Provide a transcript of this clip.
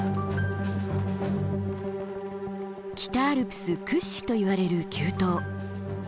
北アルプス屈指といわれる急登。